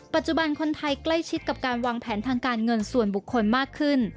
ปัจจุบันคนไทยใกล้ชิดกับการวางแผนทางการเงินส่วนบุคคลมากขึ้น